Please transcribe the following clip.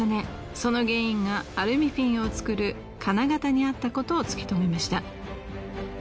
その原因がアルミフィンを作る金型にあったことを突き止めました。